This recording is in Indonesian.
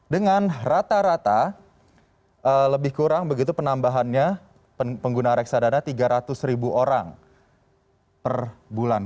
dengan rata rata lebih kurang begitu penambahannya pengguna reksadana tiga ratus ribu orang per bulan